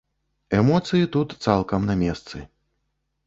Эмоцыі тут цалкам на месцы.